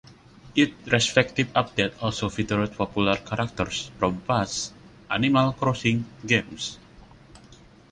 Each respective update also featured popular characters from past "Animal Crossing" games.